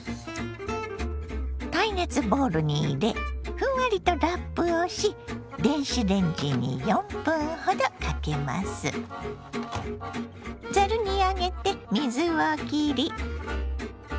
耐熱ボウルに入れふんわりとラップをし電子レンジにざるに上げて水をきり。